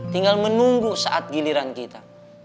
tinggal menunggu saat giliran kita